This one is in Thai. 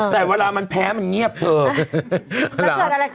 แต่เวลามันแพ้มันเงียบเถอะ